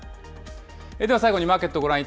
では、最後にマーケットをご覧い